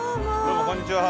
どうもこんにちは。